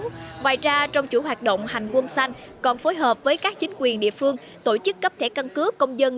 ngoài ra trong chủ hoạt động hành quân xanh còn phối hợp với các chính quyền địa phương tổ chức cấp thẻ căn cước công dân